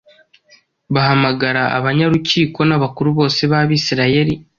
bahamagara abanyarukiko n’abakuru bose b’Abisirayeli”